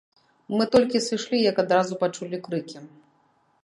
Мы толькі сышлі, як адразу пачулі крыкі.